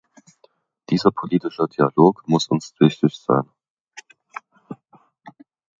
Dieser politische Dialog muss uns wichtig sein.